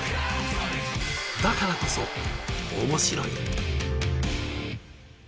だからこそ、面白い。